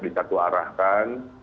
di satu arahkan